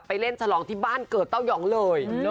เล่นฉลองที่บ้านเกิดเต้ายองเลย